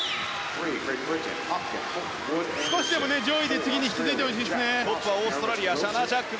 少しでも上位で次に引き継ぎたいですね。